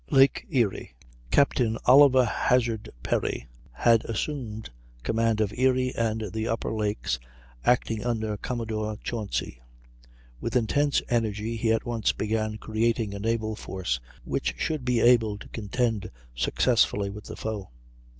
Lake Erie. Captain Oliver Hazard Perry had assumed command of Erie and the upper lakes, acting under Commodore Chauncy. With intense energy he at once began creating a naval force which should be able to contend successfully with the foe.